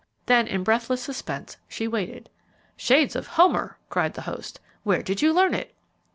Then in breathless suspense she waited. "Shades of Homer!" cried the host. "Where did you learn it?"